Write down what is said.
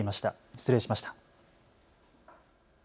失礼しました。